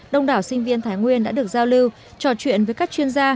đông đảo sinh viên thái nguyên đã được giao lưu trò chuyện với các chuyên gia